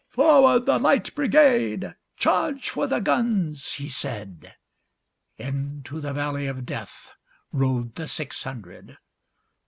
"Forward, the Light Brigade! Charge for the guns!" he said:Into the valley of DeathRode the six hundred.